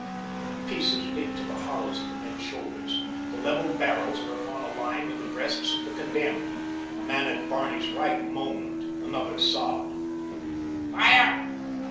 the pieces leaped to the hollows of the men's shoulders. The leveled barrels were upon a line with the breasts of the condemned. A man at Barney's right moaned. Another sobbed. "Fire!"